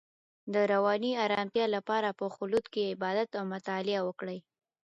د رواني ارامتیا لپاره په خلوت کې عبادت او مطالعه وکړئ.